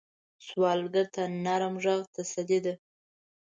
سوالګر ته نرم غږ تسلي ده